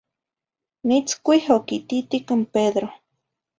Nitzcuih oquititic n Pedro.